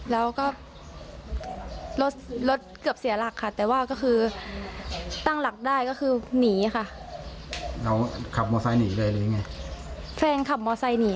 แล้วในที่เกิดเหตุมันมืดไหมครับ